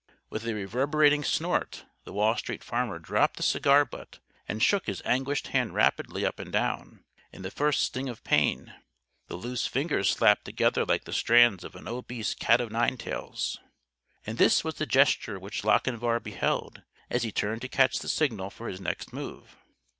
With a reverberating snort the Wall Street Farmer dropped the cigar butt and shook his anguished hand rapidly up and down, in the first sting of pain. The loose fingers slapped together like the strands of an obese cat of nine tails. And this was the gesture which Lochinvar beheld, as he turned to catch the signal for his next move.